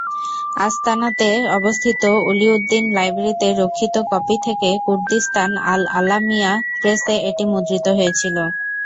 আসতানাতে অবস্থিত ওলীউদ্দীন লাইব্রেরীতে রক্ষিত কপি থেকে কুর্দিস্তান আল আলামিয়া প্রেসে এটি মুদ্রিত হয়েছিল।